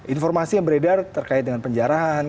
informasi yang beredar terkait dengan penjarahan